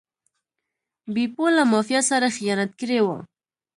بیپو له مافیا سره خیانت کړی و.